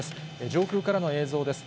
上空からの映像です。